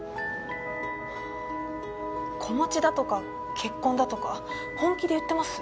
子持ちだとか結婚だとか本気で言ってます？